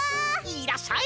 いらっしゃい！